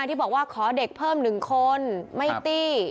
ที่บอกว่าขอเด็กเพิ่ม๑คนไม่ตี้